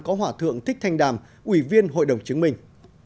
phó thủ tướng thích thanh đàm ủy viên hội đồng chứng minh